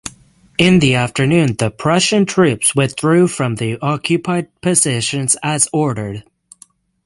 In the afternoon the Prussian troops withdrew from the occupied positions as ordered.